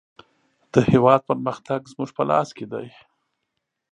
د هېواد پرمختګ زموږ په لاس کې دی.